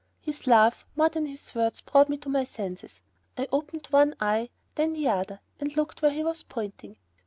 His laugh, more than his words, brought me to my senses. I opened one eye, then the other, and looked where he was pointing.